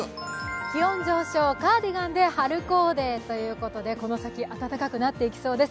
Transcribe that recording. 気温上昇、カーディガンで春コーデということでこの先、暖かくなっていきそうです